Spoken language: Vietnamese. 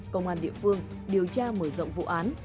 công an địa phương điều tra mở rộng vụ án